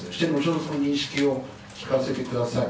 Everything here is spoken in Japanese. その認識を聞かせてください。